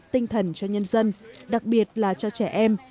tinh thần cho nhân dân đặc biệt là cho trẻ em